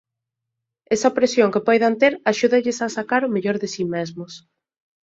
Esa presión que poidan ter axúdalles a sacar o mellor de si mesmos.